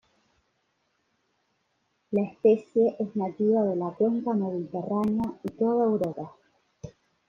La especie es nativa de la Cuenca mediterránea y toda Europa.